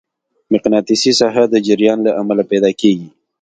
مقناطیسي ساحه د جریان له امله پیدا کېږي.